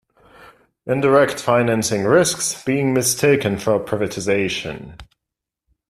Indirect financing risks being mistaken for privatization.